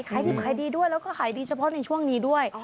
ขายดิบขายดีด้วยแล้วก็ขายดีเฉพาะในช่วงนี้ด้วย